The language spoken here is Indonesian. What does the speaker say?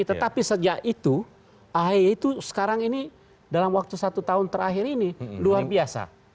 tetapi sejak itu ahy itu sekarang ini dalam waktu satu tahun terakhir ini luar biasa